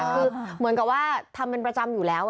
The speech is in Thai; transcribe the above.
คือเหมือนกับว่าทำเป็นประจำอยู่แล้ว